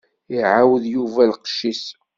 Iɛawed Yuba lqecc-is.